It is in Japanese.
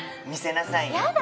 見せなさいよ。